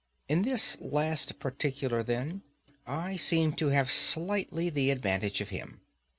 In this latter particular, then, I seem to have slightly the advantage of him.